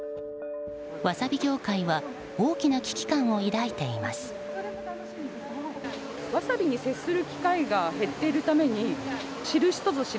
ワサビ業界は大きな危機感を抱いています。